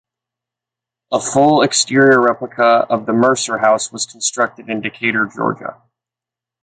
A full exterior replica of the Mercer House was constructed in Decatur, Georgia.